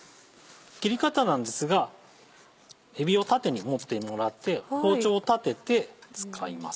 切り方なんですがえびを縦に持ってもらって包丁を立てて使います。